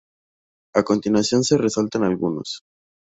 A continuación se resaltan algunos.